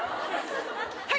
はい！